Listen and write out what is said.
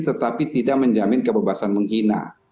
tetapi tidak menjamin kebebasan menghina